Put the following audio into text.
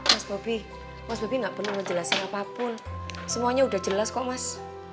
mas bubi mas bubi gak perlu menjelaskan apapun semuanya udah jelas kok mas